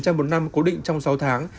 bảy năm một năm cố định trong sáu tháng